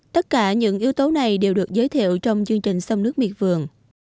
tất cả những yếu tố này đều được giới thiệu trong chương trình sông nước miệt vườn